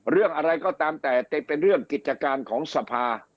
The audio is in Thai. เรื่องอะไรก็ตามแต่เป็นเรื่องกิจการของสภา